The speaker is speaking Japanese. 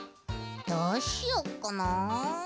どうしよっかな。